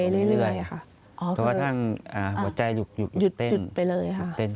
เพราะว่าท่างหัวใจหยุดต้มเต้นไปเลย